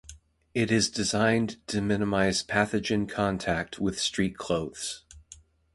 It is designed to minimize pathogen contact with street clothes.